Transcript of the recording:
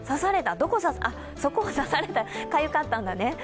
足をさされた、かゆかったんだね。